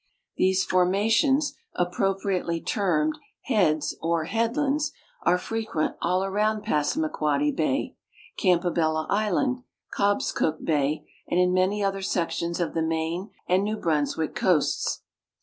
These formations, appropriately termed heads or headlnnch, are frequent all around Passamaquoddy hay, Canipo l)ello island, Cohscook bay, and in many other sections of the Maine and New Brunswick coasts.